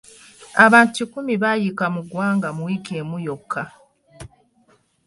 Abantu kikumi bayiika mu ggwanga mu wiiki emu yokka.